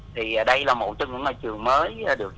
thì đây là một trường mới được